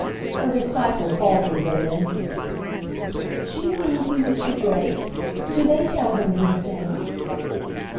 Her disciple faltered but an instant. "Do you mean through Mr. Drake? Do they tell him these things?"